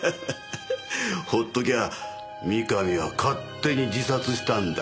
放っときゃ三上は勝手に自殺したんだ。